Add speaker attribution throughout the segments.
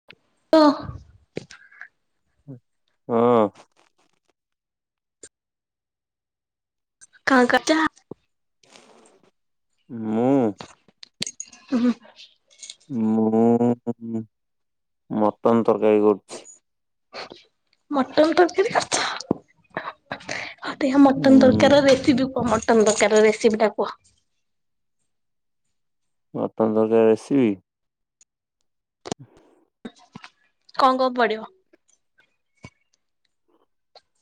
Speaker 1: [unintelligible]
Speaker 2: ହଁ!
Speaker 1: କଣ କରୁଚ?
Speaker 2: ମୁଁ
Speaker 1: ହୁଁ!
Speaker 2: ମୁଁ ମଟନ ତରକାରୀ କରୁ
Speaker 1: ମଟନ କରୁଥିଲ। ହଉ ଦେଖିବା ମଟନ୍ ତରକାରି ର
Speaker 2: ହୁଁ
Speaker 1: ରେସିପି କୁହ ମଟନ ତରକାରି ର ରେସିପିଟା କୁହ
Speaker 2: ମଟନ ତରକାରୀ ରେସିିବି। [unintelligible]
Speaker 1: କଣ କଣ ପଡିବ?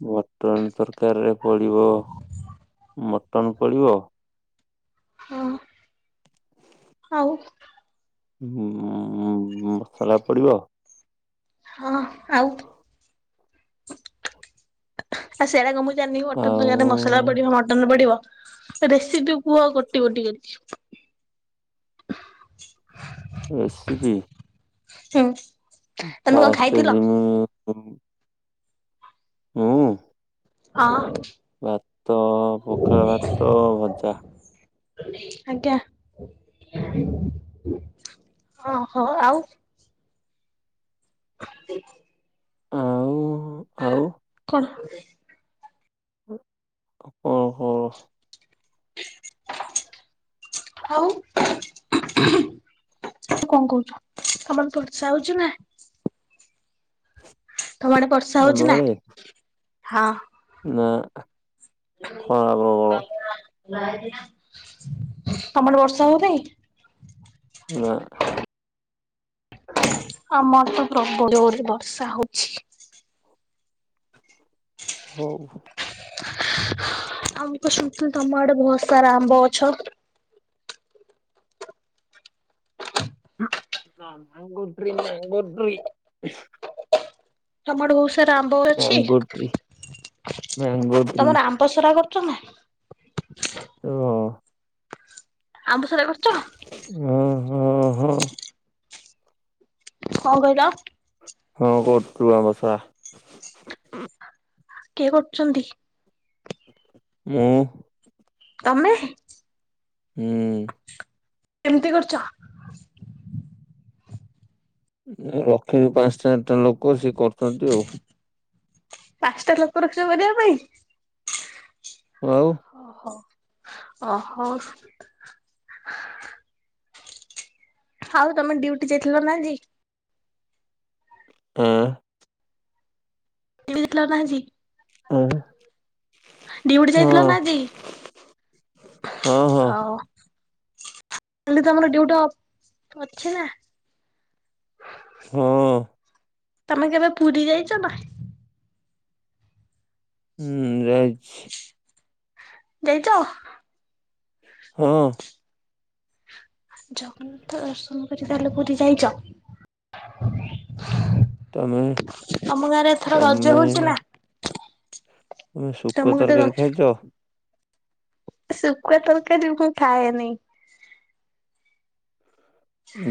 Speaker 2: ମଟନ ତରକାରି ରେ ପଡ଼ିବ ମଟନ ପଡ଼ିବ।
Speaker 1: ହୁଁ ଓ
Speaker 2: ମସଲା ପଡିବ।
Speaker 1: ହଁ ଆଉ ଆଉ ସେରାକ ମୁଁ ଜାଣିନି କି ମଟନ
Speaker 2: ଆଉ
Speaker 1: ତରକାରୀ ରେ ମସଲା ପଡିବ ମଟନ ପଡିବ ରେସିପି ଉ କୁଅ ଗୋଟି ଗୋଟି କରିକି।
Speaker 2: ରେସିପି।
Speaker 1: ହୁଁ। ତମେ କଣ
Speaker 2: ଫାଷ୍ଟ
Speaker 1: ଖାଇଥିଲ?
Speaker 2: ଜିମି ମୁ ମୁଁ।
Speaker 1: ଅଁ
Speaker 2: ଭାତ ପଖାଳ ଭାତ ଭଜା।
Speaker 1: ଆଜ୍ଞା ଅହ ଆଉ [unintelligible]
Speaker 2: ଆଉ ଆଉ
Speaker 1: କଣ?
Speaker 2: କଣ କଣ?
Speaker 1: ଆଉ ତୁ କଣ କହୁଚୁ ତମର ସବୁ ସାଉଚି ନାଁ? ତମ ଆଡେ ବର୍ଷା
Speaker 2: ଆମ
Speaker 1: ହଉଛି ନା?
Speaker 2: ନାଁ।
Speaker 1: [unintelligible] ତମ ଆଡେ ବର୍ଷା ହଉ ନାଇ?
Speaker 2: ନାଁ।
Speaker 1: ଆମର ତ ପ୍ରବଳ ଜୋରେ ବର୍ଷା ହଉଚି।
Speaker 2: ଦୁଁ।
Speaker 1: ଆଉ ମୁ କଣ ଶୁଣିଥିଲି ତମ ଆଡେ ଭହୁତ ସାରା ଆମ୍ବ ଗଛ?
Speaker 2: Mango tree mango tree.
Speaker 1: ତମଆଡେ ଭୋଉତ ସାରା ଆମ୍ବ ଅଛି
Speaker 2: ମ୍ୟାଙ୍ଗୋ ଟ୍ରି ମ୍ୟାଙ୍ଗୋ ଟ୍ରି
Speaker 1: ତମର ଆମ୍ ଦଶରା କରୁଚ ନା?
Speaker 2: ଏ ଅ
Speaker 1: ଆମ୍ବସୋରା କରିଚ ନାଁ?
Speaker 2: ହଁ। ହଁ ହଁ
Speaker 1: କଣ କହିଲ?
Speaker 2: ହଁ କହୁତୁରୁୁ ଆମ୍ବ ସୋଆ
Speaker 1: କିଏ କରୁଚନ୍ତି?
Speaker 2: ମୁଁ।
Speaker 1: ତମେ
Speaker 2: ହୁଁ।
Speaker 1: କେମିତି କରୁଚ?
Speaker 2: ରଖିଚୁ ପାଞ୍ଚ ଚାରିଟା ଲୋକ ସିଏ କରୁଚନ୍ତି ଆଉ।
Speaker 1: ପାଞ୍ଚଟା ଲୋକ ରଚ କରିବା ପାଇଁ।
Speaker 2: ଆଉ।
Speaker 1: ଓହୋ ଓହୋ। ହାଉ ତମେ ଡିୟୁଟି ଯାଇଥିଲ ନା ଆଜି?
Speaker 2: ଆଁ।
Speaker 1: ଡିୟୁଟି ଯାଇଥିଲ ନା ଆଜି
Speaker 2: ଆଁ ଆଁ
Speaker 1: ଡିୟୁଟି
Speaker 2: ହଁ
Speaker 1: ଯାଇଥିଲ ନା ଆଜି?
Speaker 2: ହଁ ହଁ
Speaker 1: ହଉ। କାଲି ତମର ଡିୟୁଟଅପ ଅଛିନା?
Speaker 2: ହଁ।
Speaker 1: ତମେ କେବେ ପୁରୀ ଯାଇଛନା?
Speaker 2: ହୁଁ ଯାଇଛି।
Speaker 1: ଯାଇଛ?
Speaker 2: ହୁଁ।
Speaker 1: ଜଗନ୍ନାଥ ଦର୍ଶନ କରି ତାହେଲେ ପୁରୀ ଯାଇଛ?
Speaker 2: ତମେ
Speaker 1: ତମ ଗାଁରେ ଏଥର ରଜ
Speaker 2: ତମେ
Speaker 1: ହୋଉଛି ନା?
Speaker 2: ତମେ
Speaker 1: ତମ
Speaker 2: ଶୁକୁଆ ତରକାରୀ ଖାଇଛ?
Speaker 1: ଶୁକୁଆ ତରକାରୀ ମୁଁ ଖାଏନି।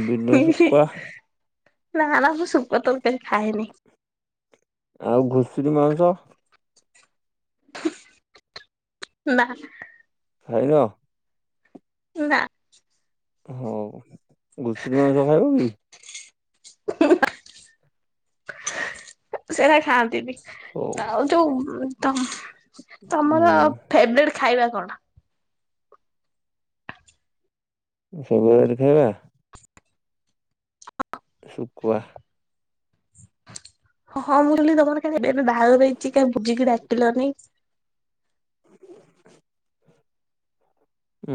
Speaker 2: ବିଲ
Speaker 1: ହୁଁ ହୁଁ
Speaker 2: ଶୁଖୁଆ
Speaker 1: ନା ନା ମୁଁ ସୁକୁଆ ତରକାରି ଖାଏନି।
Speaker 2: ଆଉ ଘୁଷୁରୀ ମାଉସ?
Speaker 1: ନା ନା।
Speaker 2: ଖାଇନ?
Speaker 1: ନା।
Speaker 2: ହୋଉ ଘୁଷୁରି ମାଉଁସ ଖାଇବ କି?
Speaker 1: ସେରା ଖାଆନ୍ତିନି।
Speaker 2: ହଉ
Speaker 1: ଆଉ ଯୋଉ ତ ତମର
Speaker 2: ହୁଁ
Speaker 1: ଫେବରେଟ୍ ଖାଇବା କଣ?
Speaker 2: ଫେବେରେଟ୍ ଖାଇବା ସକୁଆ।
Speaker 1: ହଁ ମୁଁ କହିଲି ତମର କାଳେ ଏବେ ଏବେ ବାହାହର ହେଇଛି କାଇଁ ଭୁଝିକି ଡାକିଲନି।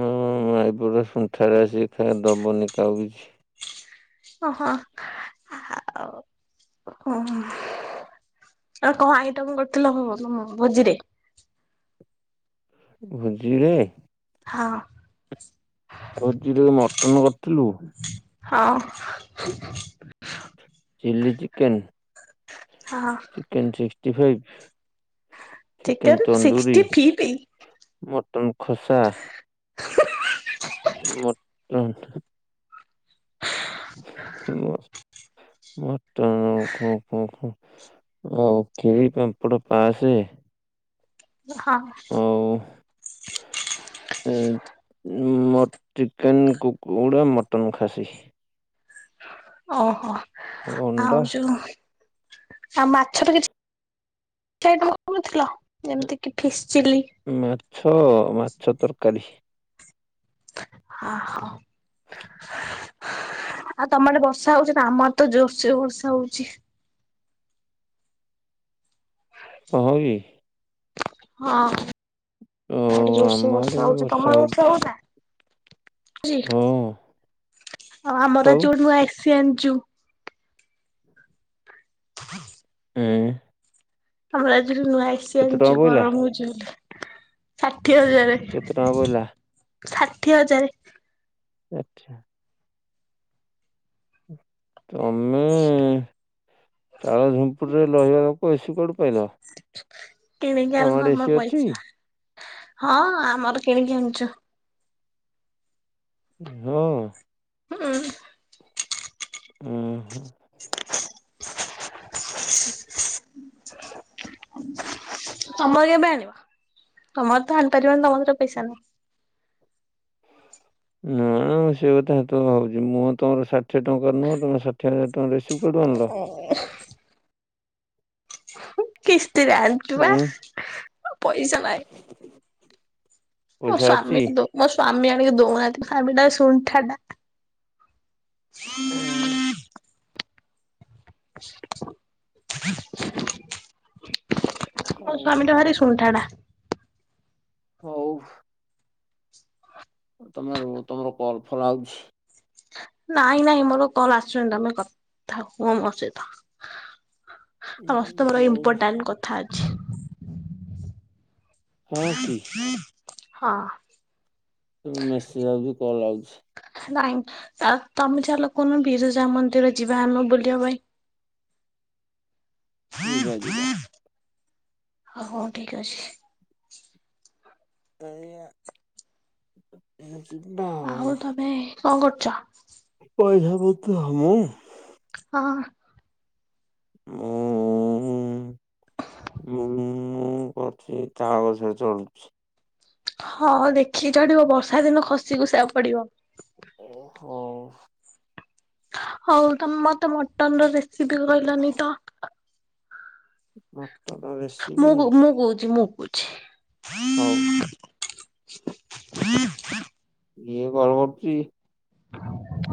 Speaker 2: ମୁଁ ମାଇପ ଟା ସୁଣ୍ଠା ଟା ସିଏ ଖା ଦବନି କାଆକୁ କିଛି।
Speaker 1: ଓହୋ ଆଉ ଓ ଆଉ କଣ ଆଇଟମ କରିଥିଲ ହ ତମ ଭୋଜିରେ?
Speaker 2: ଭୋଜିରେ?
Speaker 1: ହଁ।
Speaker 2: ଭୋଜିରେ ମଟନ କରିଥିଲୁ।
Speaker 1: ହଁ।
Speaker 2: Chilli chicken.
Speaker 1: ହଁ।
Speaker 2: Chicken sixty five chicken tandoori.
Speaker 1: Sixty five
Speaker 2: mutton ଖୋସା ମଟନ୍ ମଟନ ଆଉ କ୍ଷୀରି ପାମ୍ପଟ ପାସେ
Speaker 1: ହଁ।
Speaker 2: ଆଉ ମ ଚିକେନ୍ କୁକୁଡ଼ା ମଟନ୍ ଖାସି।
Speaker 1: ଓହୋ ଆଉ
Speaker 2: ଅଣ୍ଡା
Speaker 1: ଯୋଉ ଆଉ ମାଛ ରେ କିଛି [unintelligible] କହୁଥିଲ ଯେମିତି କି ଫିସ୍ ଚିଲି।
Speaker 2: ମାଛ, ମାଛ ତରକାରୀ।
Speaker 1: [unintelligible] ଆଉ ତମ ଆଡ଼େ ବର୍ଷା ହଉଛି ନା ଆମର ଆଡ଼େ ତ ଜୋରସେ ବର୍ଷା ହଉଛି।
Speaker 2: ହଁ, ହଁକି।
Speaker 1: ହଁ, ଆମ
Speaker 2: ଓ
Speaker 1: ଆଡ଼େ ଜୋରସେ
Speaker 2: ଆମ ଆଡେ
Speaker 1: ବର୍ଷା
Speaker 2: ବି
Speaker 1: ହଉଛି, ତମ ଆଡ଼େ ବର୍ଷା ହଉଛି ନା? ଚି,
Speaker 2: ହଁ
Speaker 1: ଆଉ ଆମର
Speaker 2: ହଉ
Speaker 1: ଆଜି ଗୋଟେ ନୂଆ ଏସି ଆଣିଚୁ।
Speaker 2: ହଁ
Speaker 1: [inaudible]
Speaker 2: ହୁଁ
Speaker 1: ଆମର ଆଜି ନୂଆ ଏସି
Speaker 2: କେତେ
Speaker 1: ଆଣିଚୁ
Speaker 2: ଟଙ୍କା ପଇଲା
Speaker 1: ଗରମ ହଉଛି ବୋଲି, ଷାଠିଏ ହଜାର।
Speaker 2: କେତେ ଟଙ୍କା ପଇଲା?
Speaker 1: ଷାଠିଏ ହଜାର।
Speaker 2: ଆଚ୍ଛା। ତମେ ଚାଳ ଝୁମ୍ପୁଡ଼ିରେ ରହିବା ଲୋକ, ଏସି କୁଆଡୁ ପାଇଲ?
Speaker 1: କିଣିକି
Speaker 2: ତମ
Speaker 1: ଆଣିଲୁ
Speaker 2: ଆଡେ
Speaker 1: ଆମର
Speaker 2: ଏସି ଅଛି
Speaker 1: ପଇସା। ହଁ ଆମର କିଣିକି ଆଣିଚୁ।
Speaker 2: ହୁଁ
Speaker 1: ହୁଁ
Speaker 2: ଉଁ, ହୁଁ।
Speaker 1: [inaudible]
Speaker 2: [unintelligible]
Speaker 1: [inaudible] ତମର କେବେ ଆଣିବ? ତମର ତ ଆଣିପାରିବନି ତମ କତିରେ ପଇସା ନାହିଁ।
Speaker 2: ନାଁ ନାଁ ମୁ ସେଇ କଥା ହେତଳୁ ଭାବୁଛି ମୁଁ ତମର ଷାଠିଏ ଟଙ୍କା ନୁହଁ ତମେ ଷାଠିଏ ହଜାର ଟଙ୍କାର ଏସି କୁଆଡୁ ଆଣିଲ?
Speaker 1: [inaudible] କିସ୍ତିରେ ଆଣିିଚୁ ପା
Speaker 2: ଉଁ
Speaker 1: ପଇସା ନାହିଁ। ମୋ
Speaker 2: ପଇସା ଅଛି
Speaker 1: ସ୍ଵାମୀକି ଦଉ, ମୋ ସ୍ଵାମୀ ଆଣିକି ଦଉନାହାନ୍ତି, ସ୍ଵାମୀଟା ଶୁଣ୍ଠାଟା।
Speaker 2: ଏଁ,
Speaker 1: [inaudible] [inaudible] ମୋ
Speaker 2: ହଉ
Speaker 1: ସ୍ଵାମୀଟା ଭାରି ଶୁଣ୍ଠାଟା।
Speaker 2: ହଉ। ତମେ ରୁହ ତମର କଲ୍ ଫଲ୍ ଆଉଛି।
Speaker 1: ନାଇଁ ନାଇଁ ମୋର କଲ୍ ଆସୁନି ତମେ କଥା ହୁଅ ମୋ ସହିତ। ତମ
Speaker 2: ଉଁ,
Speaker 1: ସହିତ ମୋର
Speaker 2: ହଉ
Speaker 1: ଇମ୍ପୋର୍ଟାଣ୍ଟ କଥା ଅଛି।
Speaker 2: ହଁ କି
Speaker 1: ହଁ
Speaker 2: ମେସେଜ୍ ଆଉଚି କଲ୍ ଆଉଛି।
Speaker 1: ନାଇଁ ଆଉ ତମେ ଚାଲ କୁଉନ୍ନ ବିରଜା ମନ୍ଦିର ଯିବା ଆମେ ବୁଲିବା ପାଇଁ।
Speaker 2: ଯିବା, ଯିବା।
Speaker 1: ହ ହଉ ଠିକ୍ ଅଛି।
Speaker 2: [unintelligible] ମୁ ଯିବି, ନାଁ।
Speaker 1: ଆଉ ତମେ କଣ କରୁଚ?
Speaker 2: ପଇସା ବହୁତ, ମୁଁ?
Speaker 1: ହଁ।
Speaker 2: ମୁଁ। ମୁଁ କରୁଚି ତା ଗଛରେ ଚଳୁଛି।
Speaker 1: ହଁ ଦେଖିକି ଚଢିବ ବର୍ଷା ଦିନ ଖସି ଖୁସା ପଡିବ।
Speaker 2: ଓହୋ।
Speaker 1: ହୋଉ ତ ମତେ ମଟନ ର ରେସିପି କହିଲାନି ତ।
Speaker 2: ମଟନ
Speaker 1: ମୁଁ
Speaker 2: ରେସିପି
Speaker 1: କହୁ ମୁଁ କହୁଛି ମୁଁ କହୁଛି।
Speaker 2: ହୋଉ। ଇଏ କଲ୍ କରୁଚି।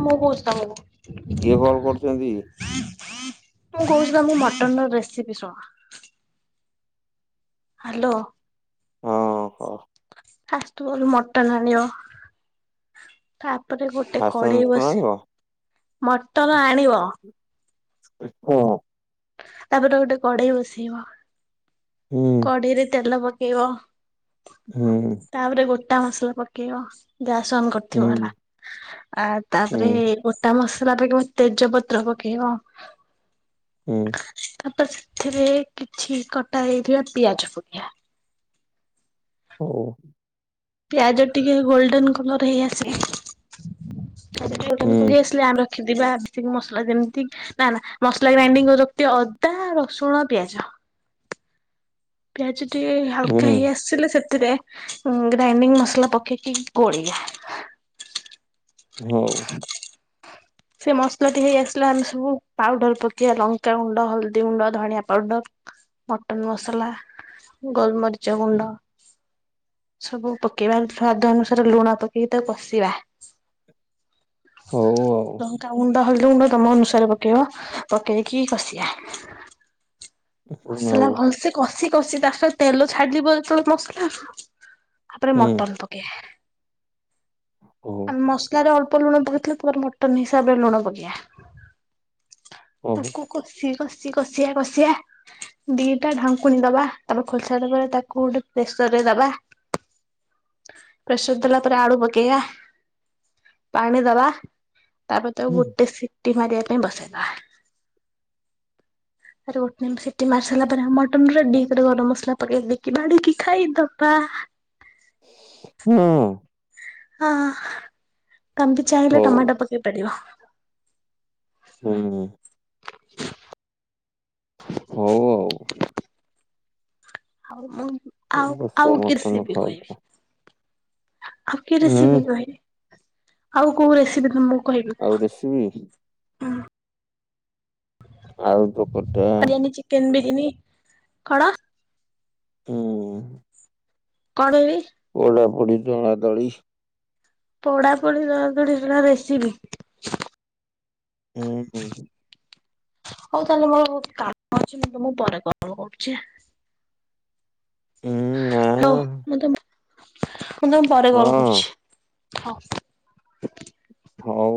Speaker 1: ମୁଁ କହୁଛି ତମକୁ।
Speaker 2: ଇଏ କଲ୍ କରୁଛନ୍ତି?
Speaker 1: ମୁଁ କହୁଛି ପା ମୁଁ ମଟନ ର ରେସିପି ଶୁଣ? ହ୍ୟାଲୋ।
Speaker 2: ଅଁ ହୋ।
Speaker 1: ଫାଷ୍ଟ କୋଉଠୁ ମଟନ୍ ଆଣିବ। ତାପରେ ଗୋଟେ
Speaker 2: ଫାଷ୍ଟ ଟାଇମ୍
Speaker 1: କଡେଇ
Speaker 2: ମଟନ
Speaker 1: ବସି
Speaker 2: ଆଣିବ
Speaker 1: ମଟର ଆଣିବ।
Speaker 2: ହଁ।
Speaker 1: ତାପରେ ଗୋଟେ କଡେଇ ବସେଇବ।
Speaker 2: ହୁଁ
Speaker 1: କଡେଇ ରେ ତେଲ ପକେଇବ।
Speaker 2: ହୁଁ।
Speaker 1: ତାପରେ ଗୋଟା ମସଲା ପକେଇବ ଗ୍ୟାସ ଅନ୍ କରିଥିବ
Speaker 2: ହୁଁ
Speaker 1: ହେଲା ଆ
Speaker 2: ହୁଁ
Speaker 1: ତାପରେ ଗୋଟା ମସଲା ଫିକିବ ତେଜପତ୍ର ପକେଇବ।
Speaker 2: ହୁଁ।
Speaker 1: ତାପରେ ସେଥିରେ କିଛି କଟା ହେଇଥିବା ପିଆଜ ପକେଇବା।
Speaker 2: ହୁଁ।
Speaker 1: ପିଆଜ ଟିକେ ଗୋଲଡେନ କଲର ହେଇ ଆସିଲେ ଗୋଲଡେନ୍
Speaker 2: ହୁଁ
Speaker 1: କରି ଆସିଲେ ଆମର ରଖିିବା ବିପିନ୍ ମସଲା ଯେମିତି ନା ନା ମସଲା ଗ୍ରାଇଣ୍ଡିଙ୍ଗ କରି ରଖିଦିଅ ଅଦା, ରସୁଣ, ପିଆଜ। ପିଆଜ ଟିକେ ହାଲକା
Speaker 2: ହୁଁ
Speaker 1: ହେଇ ଆସ୍ ସିଲେ ସେଥିରେ ଗ୍ରାଇଣ୍ଡିଙ୍ଗ ମସଲା ପକେଇକି ଗୋଳିଆ।
Speaker 2: ହୋଉ।
Speaker 1: ସେ ମସଲାଟି ହେଇ ଆସିଲା ଆମେ ସବୁ ପାଉଡର ପକେଇବା ଲଙ୍କା ଗୁଣ୍ଡ, ହଳଦୀ ଗୁଣ୍ଡ, ଧଣିଆ ପାଉଡର। ମଟନ୍ ମସଲା, ଗୋଲମରିଚ ଗୁଣ୍ଡ। ସବୁ ପକେଇବା ସ୍ଵାଦ ଅନୁସାରେ ଲୁଣ ପକେଇକି ତା କସିବା।
Speaker 2: ହଉ ଆଉ
Speaker 1: ଲଙ୍କା ଗୁଣ୍ଡ, ହଳଦି ଗୁଣ୍ଡ, ତମ ଅନୁସାରେ ପକେଇବ ପକେଇକି କଷିବା।
Speaker 2: ହଉ
Speaker 1: ମସଲା ଭଲସେ କଷି କଷି ତା ସହିତ ତେଲ ଛାଡିିବ ଯେତେବେଳେ ମସଲା କୁ। ତାପରେ
Speaker 2: ହୁଁ
Speaker 1: ମଟନ ପକେଇବା।
Speaker 2: କୁହ?
Speaker 1: ଆମ ମସଲାରେ ଅଳ୍ପ ଲୁଣ ପକେଇଥିଲେ ପରେ ମଟନ ହିସାବରେ ଲୁଣ ପକେଇବା।
Speaker 2: ହଉ
Speaker 1: ତାକୁ କଷି କଷି କଷିଆ କଷିଆ। ଦିଟା ଢାଙ୍କୁଡ଼ି ଦବା ତାପରେ ଖୋଲସାରିଲା ପରେ ତାକୁ ଗୋଟେ ପ୍ରେସର ରେ ଦବା। ପ୍ରେସର ଦେଲା ପରେ ଆଳୁ ପକେଇବା ପାଣି ଦବା। ତାପରେ ତାକୁ
Speaker 2: ହୁଁ
Speaker 1: ଗୋଟେ ସିଟି ମାରିବା ପାଇଁ ବସେଇଦବା। ରୁ ସିଟି ମାରି ସାରା ପରେ ମଟନ ରେଡି ତା ପରେ ଗରମ ମସଲା ପକେଇକି ଦେଇକି ବାଡିକି ଖାଇଦବା।
Speaker 2: ହଁ
Speaker 1: ହଁ ତମେ ବି ଚାହିଁଲେ
Speaker 2: ହଉ
Speaker 1: ଟମାଟୋ ପକେଇ ପାରିବ।
Speaker 2: ହୁଁ ହୁଁ।
Speaker 1: [inaudible] ହ [inaudible]
Speaker 2: ହଉ। ହଉ।
Speaker 1: ହଉ ମୁଁ ଆଉ
Speaker 2: ଅବଶ୍ୟ
Speaker 1: ଆଉ
Speaker 2: ମଟନ
Speaker 1: କେତେ ବି କହିବି।
Speaker 2: ଖାଉଥା
Speaker 1: ଆଉ କିଏ
Speaker 2: ହୁଁ
Speaker 1: ରେସିପି କହିବି ଆଉ କୋଉ ରେସିପି ତମକୁ କହିବି
Speaker 2: ଆଉ ରେସିପି ଆଳୁ ତରକାରୀ?
Speaker 1: ହାରିଆନି ଚିକେନ ବିରିୟାନୀ କଣ?
Speaker 2: ହୁଁ।
Speaker 1: କଣ ହେବି?
Speaker 2: ପୋଡା ପୋଡି ଦଳା ଦଳି।
Speaker 1: ପୋଡା ପୋଡି ଦଳା ଦଳି ହେଗୁଡା ରେସିପି?
Speaker 2: ହୁଁ ହୁଁ
Speaker 1: [inaudible] ହଉ ତାହେଲେ ମୋର ବହୁତ କାମ ଅଛି ମୁଁ ତୁମକୁ ପରେ କଲ୍ କରୁଛି।
Speaker 2: ନା
Speaker 1: ହଉ ମୁଁ ତୁମକୁ ମୁଁ ପରେ କଲ
Speaker 2: ହଁ
Speaker 1: କରୁଛି। ହଉ।
Speaker 2: ହଉ।